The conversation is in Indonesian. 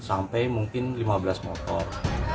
sampai mungkin lima belas motor